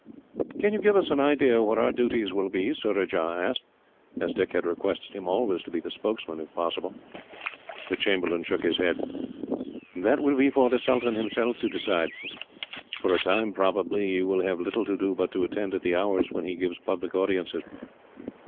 "Can you give us any idea what our duties will be?" Surajah asked, as Dick had requested him always to be the spokesman, if possible. The chamberlain shook his head. "That will be for the sultan himself to decide. For a time, probably, you will have little to do but to attend at the hours when he gives public audiences.